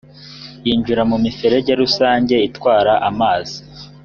yinjira mu miferege rusange itwara amazi